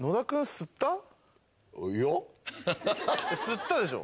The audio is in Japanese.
吸ったでしょ？